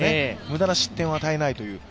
無駄な失点を与えないという。